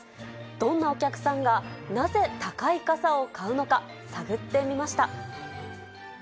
どんなお客さんがなぜ高い傘を買うのか、探ってみました。